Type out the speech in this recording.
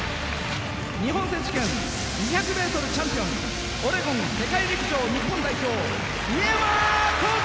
日本選手権２００ｍチャンピオンオレゴン世界陸上日本代表上山紘輝！